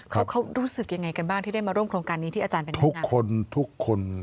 เขาเขารู้สึกยังไงกันบ้างที่ได้มาร่วมโครงการนี้ที่อาจารย์เป็นทุกคนทุกคน